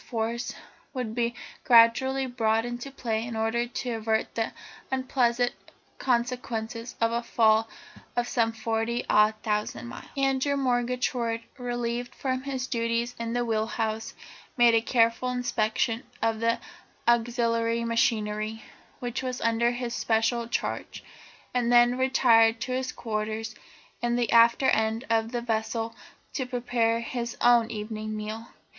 Force" would be gradually brought into play in order to avert the unpleasant consequences of a fall of some forty odd thousand miles. Andrew Murgatroyd, relieved from his duties in the wheel house, made a careful inspection of the auxiliary machinery, which was under his special charge, and then retired to his quarters in the after end of the vessel to prepare his own evening meal.